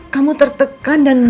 kamu tertekan dan berpikir